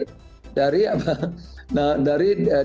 tidak ada izin dari apa